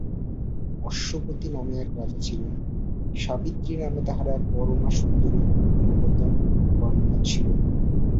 অশ্বপতি নামে এক রাজা ছিলেন, সাবিত্রী নামে তাঁহার এক পরমাসুন্দরী গুণবতী কন্যা ছিল।